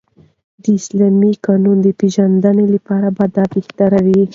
داسلامې حكومت دپيژندني لپاره به دابهتره وي